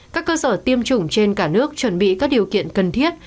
các cơ sở tiêm chủng trên cả nước chuẩn bị các điều kiện cần thiết